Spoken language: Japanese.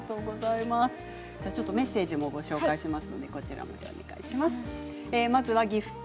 メッセージもご紹介します。